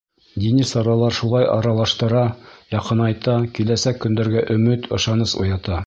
Дини саралар шулай аралаштыра, яҡынайта, киләсәк көндәргә өмөт, ышаныс уята.